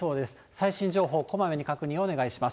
最新情報、こまめに確認をお願いします。